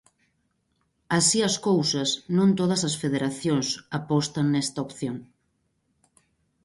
Así as cousas, non todas as federacións apostan nesta opción.